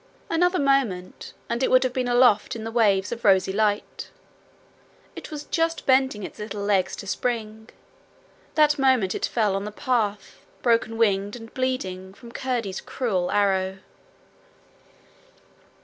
Another moment and it would have been aloft in the waves of rosy light it was just bending its little legs to spring: that moment it fell on the path broken winged and bleeding from Curdie's cruel arrow.